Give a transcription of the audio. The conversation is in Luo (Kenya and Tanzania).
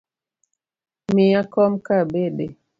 Miya kom ka abede